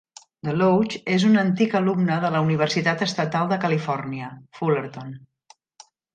DeLoach és un antic alumne de la Universitat Estatal de Califòrnia, Fullerton.